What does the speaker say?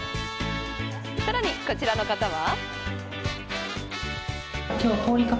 さらに、こちらの方は。